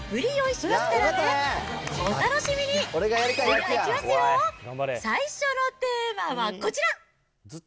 それではいきますよ、最初のテーマはこちら。